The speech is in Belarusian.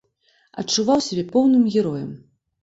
Адчуваў сябе поўным героем.